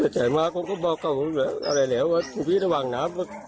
เฉยมากผมก็บอกเขาอะไรแล้วว่าถึงพี่ระหว่างน้ำ